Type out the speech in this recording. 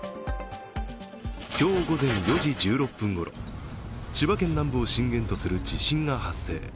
今日午前４時１６分ごろ千葉県南部を震源とする地震が発生。